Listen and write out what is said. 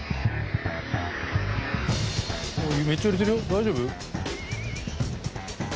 「めっちゃ揺れてるよ。大丈夫？」